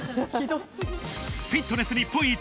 フィットネス日本一！